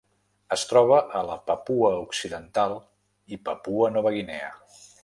Es troba a la Papua Occidental i Papua Nova Guinea.